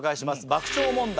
爆笑問題。